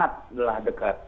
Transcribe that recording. jadi cukup sangatlah dekat